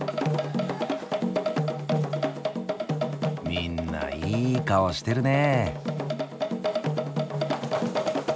みんないい顔してるね。